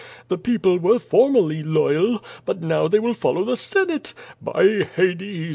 The people were formally loyal, but now they will follow the senate. By Hades!